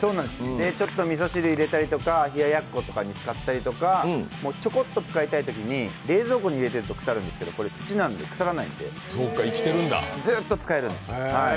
ちょっとみそ汁に入れたりとか冷や奴とかに使ったりとかちょこっと使いたいときに冷蔵庫に入れてると腐るんですけど土なんで腐らないので、ずっと使えるんです。